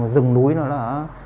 rừng núi nó đã